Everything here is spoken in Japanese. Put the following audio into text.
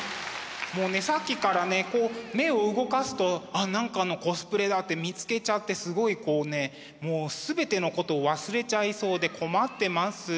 もうねさっきからねこう目を動かすと何かのコスプレだって見つけちゃってすごいこうねもう全てのことを忘れちゃいそうで困ってます。